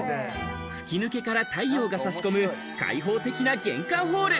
吹き抜けから太陽が差し込む開放的な玄関ホール。